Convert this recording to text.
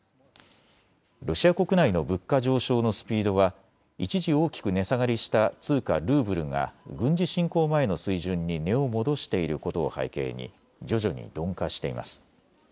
ロシア国内の物価上昇のスピードは一時、大きく値下がりした通貨ルーブルが軍事侵攻前の水準に値を戻していることを背景に徐々に鈍化しています。